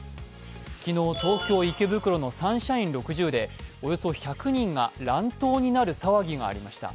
昨日、東京・池袋のサンシャイン６０でおよそ１００人が乱闘になる騒ぎがありました。